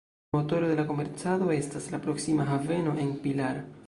Motoro de la komercado estas la proksima haveno en Pilar.